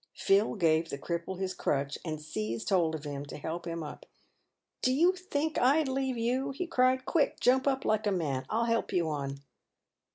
Phil gave the cripple his crutch, and seized hold of him to help him up. "Do you think I'd leave you?" he cried. "Quick! Jump up like a man. I'll help you on."